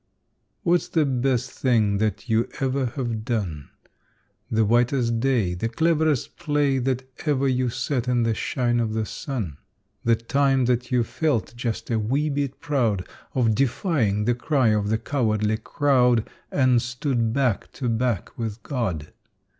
What's the best thing that you ever have done? The whitest day, The cleverest play That ever you set in the shine of the sun? The time that you felt just a wee bit proud Of defying the cry of the cowardly crowd And stood back to back with God?